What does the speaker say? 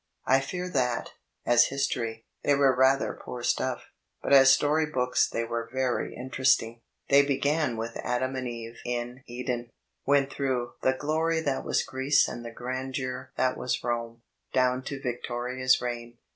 I fear that, as hisrory, they were rather poor stuff, but as story books they were very interesting. They began {4.1 D,i„Mb, Google with Adam and Eve in Eden, went through "the glory that v/as Greece and the grandeur that was Rome," down to Victoria's reign.